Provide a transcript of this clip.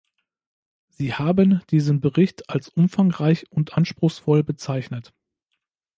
Sie haben diesen Bericht als umfangreich und anspruchsvoll bezeichnet.